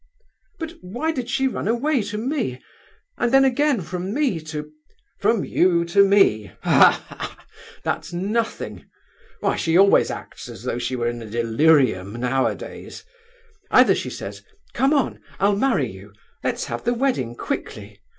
"But why did she run away to me, and then again from me to—" "From you to me? Ha, ha! that's nothing! Why, she always acts as though she were in a delirium now a days! Either she says, 'Come on, I'll marry you! Let's have the wedding quickly!